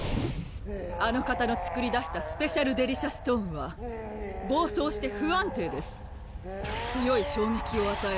あの方の作り出したスペシャルデリシャストーンは暴走して不安定です強い衝撃をあたえ